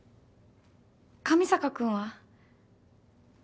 上坂君は？